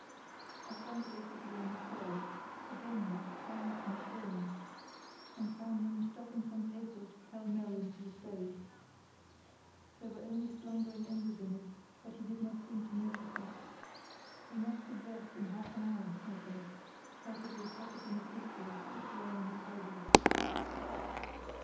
I stumbled awkwardly on the stairs (again that tiresome film!) and found him stuffing some papers pell mell into the stove. There were only slumbering embers in it, but he did not seem to notice that. "You must be dressed in half an hour," I said, furtively pocketing a pistol which lay on the table.